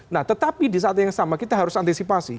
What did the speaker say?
nah tetapi di saat yang sama kita harus antisipasi